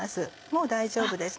もう大丈夫です。